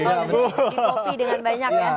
kalau di kopi dengan banyak ya